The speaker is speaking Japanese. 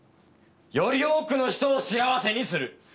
より多くの人を幸せにする。